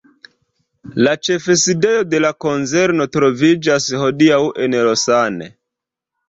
La ĉefsidejo de la konzerno troviĝas hodiaŭ en Lausanne.